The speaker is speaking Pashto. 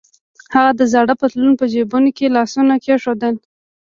هغه د زاړه پتلون په جبونو کې لاسونه کېښودل.